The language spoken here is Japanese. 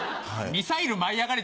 ミサイル舞いあがれ！